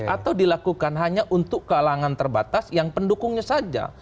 atau dilakukan hanya untuk kalangan terbatas yang pendukungnya saja